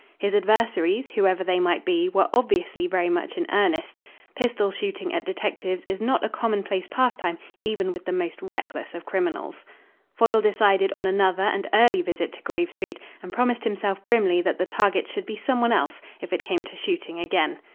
His adversaries, whoever they might be, were obviously very much in earnest. Pistol shooting at detectives is not a commonplace pastime even with the most reckless of criminals. Foyle decided on another and early visit to Grave Street, and promised himself grimly that the target should be some one else, if it came to shooting again.